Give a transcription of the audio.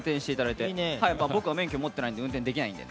僕は免許持ってないので運転できないんで。